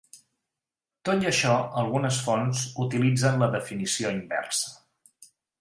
Tot i això, algunes fonts utilitzen la definició inversa.